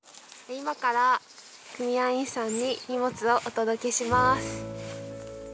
今から組合員さんに荷物をお届けします。